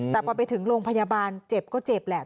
แต่พอไปถึงโรงพยาบาลเจ็บก็เจ็บแหละ